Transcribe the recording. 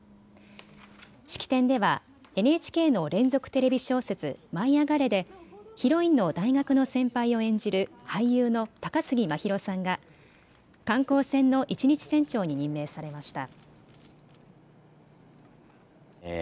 式典ではＮＨＫの連続テレビ小説、舞いあがれ！でヒロインの大学の先輩を演じる俳優の高杉真宙さんが観光船の１日船長に任命されました。